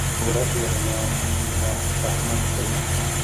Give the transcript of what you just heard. • د ورځې رڼا د الله رحمت دی.